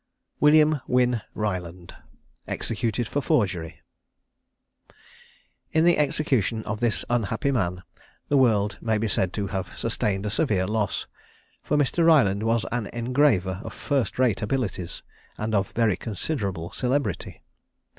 WILLIAM WYNNE RYLAND. EXECUTED FOR FORGERY. In the execution of this unhappy man, the world may be said to have sustained a severe loss; for Mr. Ryland was an engraver of first rate abilities, and of very considerable celebrity.